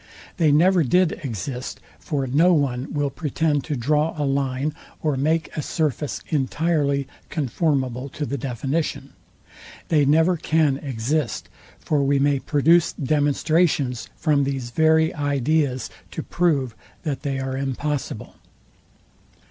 They never did exist; for no one will pretend to draw a line or make a surface entirely conformable to the definition: They never can exist; for we may produce demonstrations from these very ideas to prove, that they are impossible.